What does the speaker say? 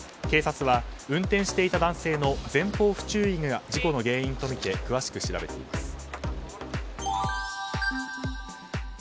警察は運転していた男性の前方不注意が事故の原因とみて詳しく調べています。